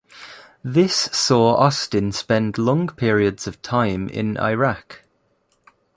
This saw Austin spend long periods of time in Iraq.